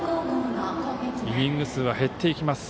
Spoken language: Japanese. イニング数は減っていきます。